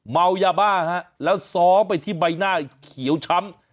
เมายาบ้าฮะแล้วซ้อมไปที่ใบหน้าเขียวช้ำ